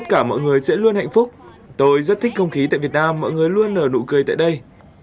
trong năm mới tất cả mọi người sẽ luôn hạnh phúc tôi rất thích không khí tại việt nam mọi người luôn nở nụ cười tại đây